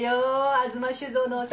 吾妻酒造のお酒。